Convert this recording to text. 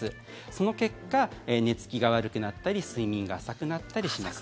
その結果、寝付きが悪くなったり睡眠が浅くなったりします。